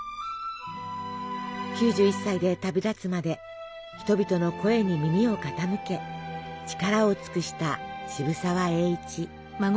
９１歳で旅立つまで人々の声に耳を傾け力を尽くした渋沢栄一。